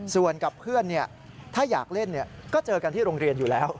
ส่วนกับเพื่อนถ้าอยากเล่นก็เจอกันที่โรงเรียนอยู่แล้ว